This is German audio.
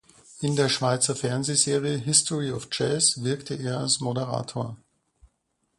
In der Schweizer Fernsehserie „History of Jazz“ wirkte er als Moderator.